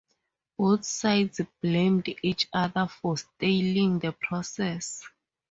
Both sides blamed each other for stalling the process.